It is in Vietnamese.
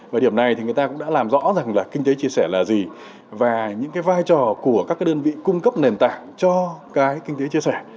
và điểm này người ta cũng đã làm rõ rằng kinh tế chia sẻ là gì và những vai trò của các đơn vị cung cấp nền tảng cho kinh tế chia sẻ